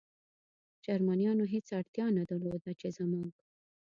جرمنیانو هېڅ اړتیا نه درلوده، چې زموږ.